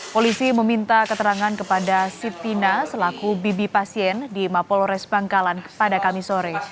polisi meminta keterangan kepada sitina selaku bibi pasien di mapolores bangkalan pada kamis sore